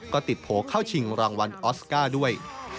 ก็ติดโผล่เข้าชิงรางวัลออสการ์ด้วย